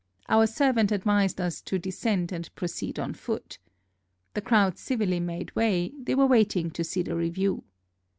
Our servant advised us to descend and proceed on foot. The crowd civilly made way : they were waiting to see the review.